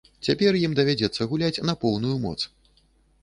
Цяпер ім давядзецца згуляць на поўную моц.